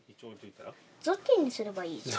雑巾にすればいいじゃん。